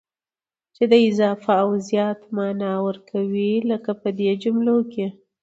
چي د اضافه او زيات مانا ور کوي، لکه په دې جملو کي: